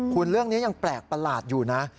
คุณเรื่องนี้ยังแปลกประหลาดอยู่นะ